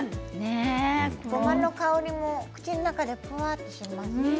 ごまの香りも口の中でふわっとします。